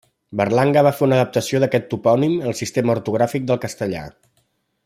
Berlanga va fer una adaptació d'aquest topònim al sistema ortogràfic del castellà.